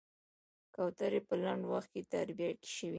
کوترې په لنډ وخت کې تربيه شوې.